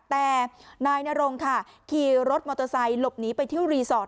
แต่นายนรงค่ะขี่รถมอเตอร์ไซค์หลบหนีไปเที่ยวรีสอร์ท